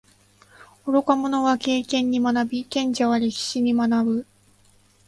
愚か者は経験に学び，賢者は歴史に学ぶ。